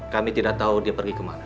kami tidak tahu dia pergi ke mana